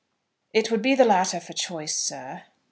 "It would be the latter for choice, sir."